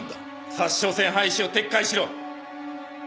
札沼線廃止を撤回しろ。